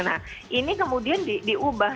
nah ini kemudian diubah